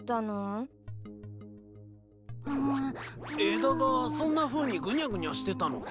枝がそんなふうにぐにゃぐにゃしてたのか？